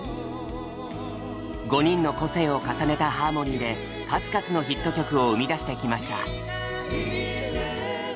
５人の個性を重ねたハーモニーで数々のヒット曲を生み出してきました。